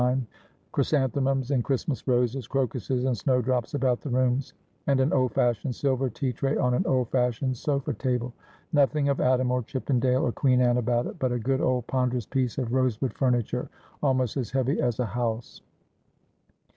kind — chrysanthemums and Christmas roses, crocuses and snow drops — about the rooms ; and an old fashioned silver tea tray on an old fashioned sofa table, nothing of Adam or Chippen dale or Queen Anne about it, but a good old ponderous piece of rosewood furniture, almost as heavy as a house.